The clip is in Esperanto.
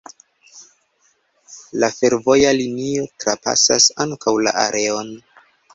La fervoja linio trapasas ankaŭ la areon.